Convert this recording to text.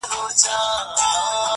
غلیم کور په کور حلوا وېشل پښتونه,